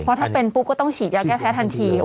เพราะถ้าเป็นปุ๊บก็ต้องฉีดยาแก้แพ้ทันที